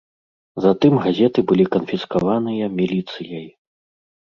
Затым газеты былі канфіскаваныя міліцыяй.